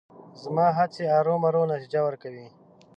زما هڅې ارومرو نتیجه ورکوي.